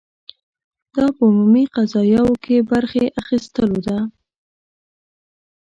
دا په عمومي قضایاوو کې برخې اخیستلو ده.